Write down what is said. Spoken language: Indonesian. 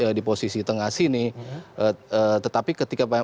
tetapi ketika main bersama mourinho dia justru apik dalam menjaga kekuatan